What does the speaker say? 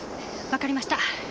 わかりました。